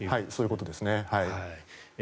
そういうことですね。